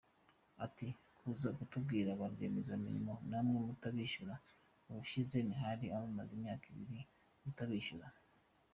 Ati “Kuza kutubwira ba rwiyemezamirimo namwe mutabishyura, ubushize ntihari abamaze imyaka ibiri mutabishyura!”.